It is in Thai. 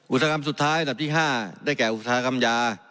อุตสาหกรรมสุดท้ายอันดับที่๕ได้แก่อุตสาหกรรมยา